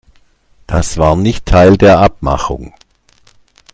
Das war nicht Teil der Abmachung!